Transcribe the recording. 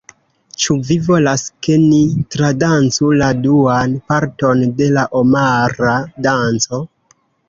Ĉu vi volas ke ni tradancu la duan parton de la Omara Danco?